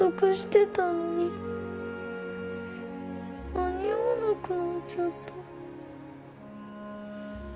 間に合わなくなっちゃった。